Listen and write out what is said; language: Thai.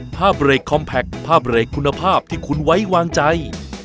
เบรกคอมแพคภาพเรกคุณภาพที่คุณไว้วางใจ